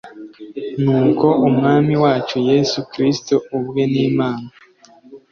Nuko Umwami wacu Yesu Kristo ubwe n’ Imana